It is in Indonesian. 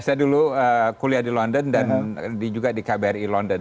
saya dulu kuliah di london dan juga di kbri london